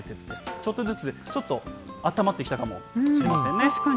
ちょっとずつ、ちょっとあったまってきたかもしれませんね。